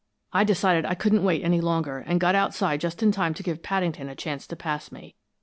I decided I couldn't wait any longer, and got outside just in time to give Paddington a chance to pass me.